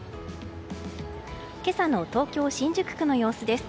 今朝の東京・新宿区の様子です。